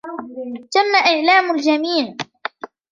تم إعلام الجميع.